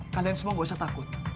kalian semua gak usah takut